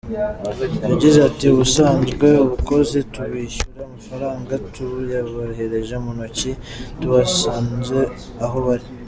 Yagize ati “Ubusazwe, abakozi tubishyura amafaranga tuyabahereje mu ntoki tubasanze aho bari.